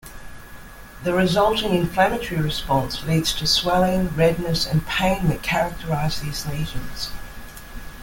The resulting inflammatory response leads to swelling, redness, and pain that characterize these lesions.